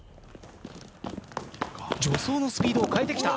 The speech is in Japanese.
助走のスピードを変えてきた。